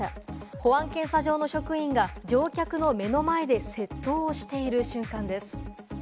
保安検査場の職員が乗客の目の前で窃盗をしている瞬間です。